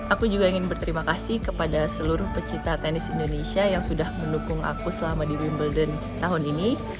aku juga ingin berterima kasih kepada seluruh pecinta tenis indonesia yang sudah mendukung aku selama di wimbledon tahun ini